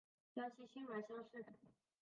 江西辛卯乡试。